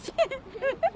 フフフ。